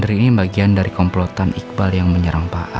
ini bagian dari komplotan iqbal yang menyerang pak